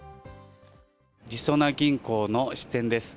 りそな銀行の支店です。